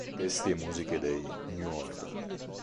Testi e musiche dei New Order.